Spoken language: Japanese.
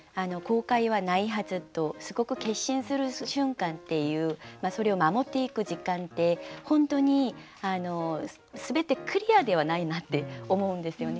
「後悔はないはず」とすごく決心する瞬間っていうそれを守っていく時間って本当に全てクリアではないなって思うんですよね。